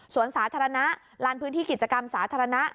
ส่วนสาธารณะลานพื้นที่กิจกรรมสาธารณะ